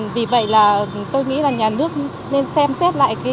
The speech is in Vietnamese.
vì vậy là tôi nghĩ là nhà nước nên xem xét lại kiểm đề này